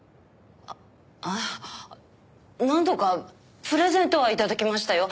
ああ何度かプレゼントは頂きましたよ。